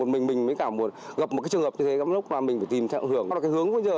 mình mới cảm buồn gặp một cái trường hợp như thế đó lúc mà mình phải tìm thận hưởng cái hướng bây giờ